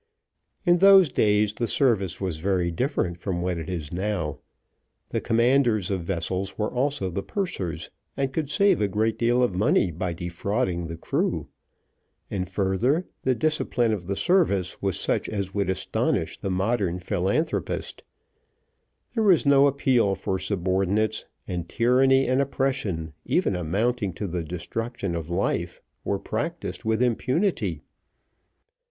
In those days, the service was very different from what it is now. The commanders of vessels were also the pursers, and could save a great deal of money by defrauding the crew; and further, the discipline of the service was such as would astonish the modern philanthropist; there was no appeal for subordinates, and tyranny and oppression, even amounting to the destruction of life, were practised with impunity.